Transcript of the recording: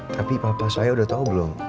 tapi papa saya udah tahu belum